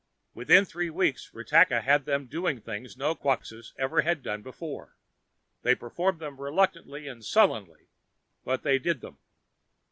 Within three weeks, Ratakka had them doing things no Quxas ever had done before. They performed them reluctantly and sullenly, but they did them.